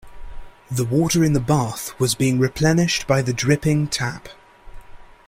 The water in the bath was being replenished by the dripping tap.